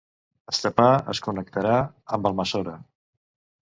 Estepar es connectarà amb Almassora.